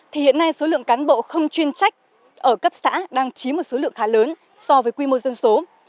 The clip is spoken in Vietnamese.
thì hiện nay số lượng cán bộ không chuyên trách ở cấp xã đang chiếm một số lượng khá lớn so với quy mô dân số